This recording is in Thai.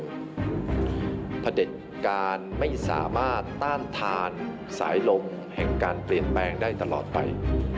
พระเด็จการไม่สามารถต้านทานสายลมแห่งการเปลี่ยนแปลงได้ตลอดไป